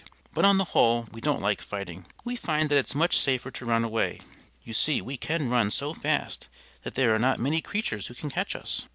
But, on the whole, we don't like fighting; we find that it's much safer to run away you see, we can run so fast that there are not many creatures who can catch us.